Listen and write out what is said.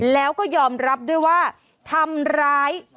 แล้วก็ยอมรับด้วยว่าทำร้าย